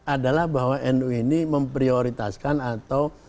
adalah bahwa nu ini memprioritaskan atau